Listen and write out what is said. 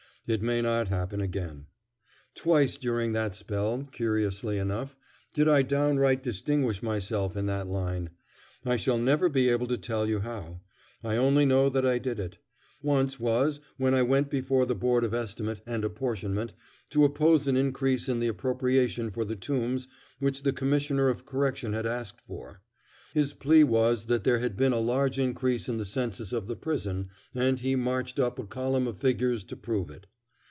It may not happen again. Twice during that spell, curiously enough, did I downright distinguish myself in that line. I shall never be able to tell you how; I only know that I did it. Once was when I went before the Board of Estimate and Apportionment to oppose an increase in the appropriation for the Tombs which the Commissioner of Correction had asked for. His plea was that there had been a large increase in the census of the prison, and he marched up a column of figures to prove it.